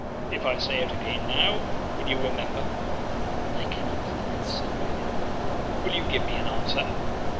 "If I say it again now, will you remember?" "I cannot promise, Sir Griffin." "Will you give me an answer?"